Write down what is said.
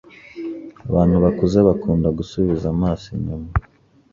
Abantu bakuze bakunda gusubiza amaso inyuma.